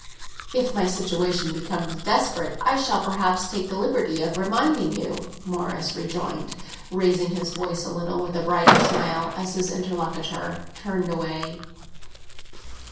"If my situation becomes desperate I shall perhaps take the liberty of reminding you!" Morris rejoined, raising his voice a little, with a brighter smile, as his interlocutor turned away.